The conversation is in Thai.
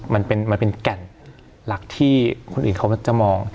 มันเป็นแก่นหลักที่คนอื่นเขามักจะมอง